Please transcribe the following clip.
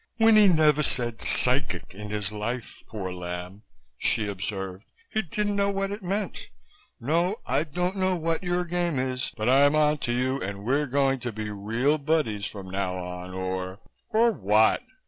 "Winnie never said 'psychic' in his life, poor lamb," she observed. "He didn't know what it meant. No, I don't know what your game is but I'm on to you and we're going to be real buddies from now on or " "Or what?"